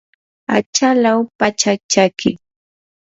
achalaw pachak chaki.